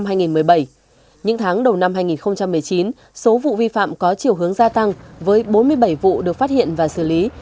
trong năm hai nghìn một mươi bảy những tháng đầu năm hai nghìn một mươi chín số vụ vi phạm có chiều hướng gia tăng với bốn mươi bảy vụ được phát hiện và xử lý